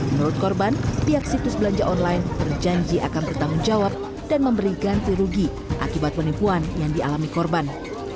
menurut korban pihak situs belanja online berjanji akan bertanggung jawab dan memberi ganti rugi akibat penipuan yang dialami korban